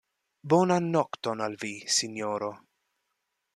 Bonan nokton al vi, sinjoro.